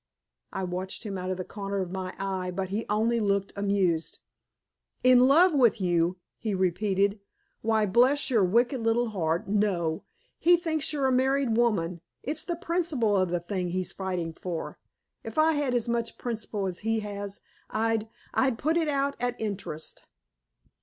I watched him out of the corner of my eye, but he only looked amused. "In love with you!" he repeated. "Why bless your wicked little heart, no! He thinks you're a married woman! It's the principle of the thing he's fighting for. If I had as much principle as he has, I'd I'd put it out at interest."